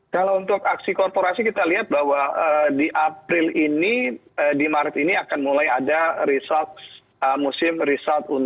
kalau untuk aksi korporasi kita lihat bahwa di april ini di maret ini akan mulai ada musim result